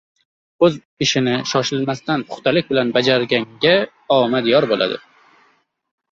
• O‘z ishini shoshilmasdan, puxtalik bilan bajarganga omad yor bo‘ladi.